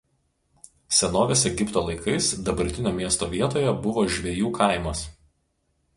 Senovės Egipto laikais dabartinio miesto vietoje buvo žvejų kaimas.